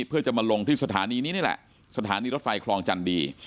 เพื่อจะมาลงที่สถานีนี้นี่แหละสถานีรถไฟคลองจันดี